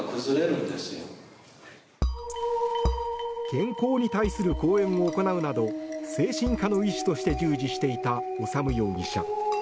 健康に対する講演を行うなど精神科の医師として従事していた修容疑者。